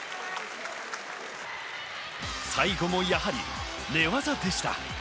最後もやはり寝技でした。